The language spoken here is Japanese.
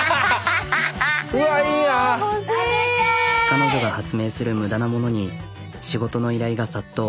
彼女が発明する無駄なものに仕事の依頼が殺到。